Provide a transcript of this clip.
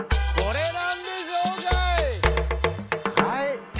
はい！